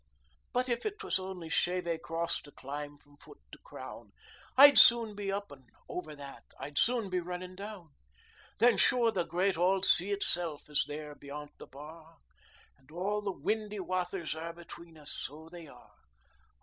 "But if 't was only Shevè Cross to climb from foot to crown, I'd soon be up an' over that, I'd soon be runnin' down. Then sure the great ould sea itself is there beyont the bar, An' all the windy wathers are between us, so they are.